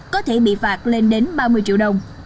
có thể bị phạt lên đến ba mươi triệu đồng